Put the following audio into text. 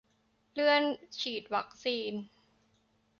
เลื่อนฉีดวัคซีน